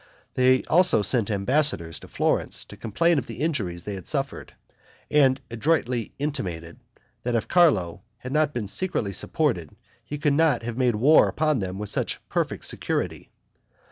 They also sent ambassadors to Florence to complain of the injuries they had suffered, and adroitly intimated, that if Carlo had not been secretly supported he could not have made war upon them with such perfect security.